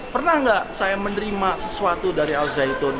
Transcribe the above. pernah nggak saya menerima sesuatu dari al zaitun